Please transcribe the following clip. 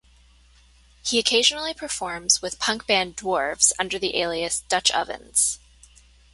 He occasionally performs with punk band Dwarves under the alias "Dutch Ovens".